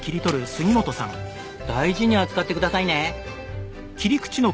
大事に扱ってくださいね。